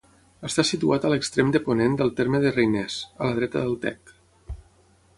Està situat a l'extrem de ponent del terme de Reiners, a la dreta del Tec.